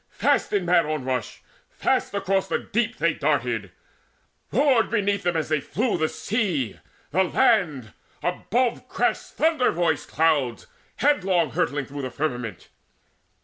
Fast in mad onrush, fast across the deep They darted; roared beneath them as they flew The sea, the land; above crashed thunder voiced Clouds headlong hurtling through the firmament.